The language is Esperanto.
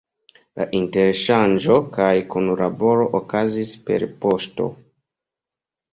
La interŝanĝo kaj kunlaboro okazis per poŝto.